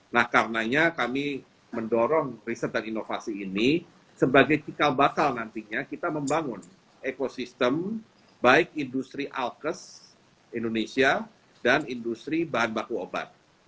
nah karenanya kami mendorong riset dan inovasi ini sebagai cikal bakal nantinya kita membangun ekosistem baik industri alkes indonesia dan industri bahan baku obat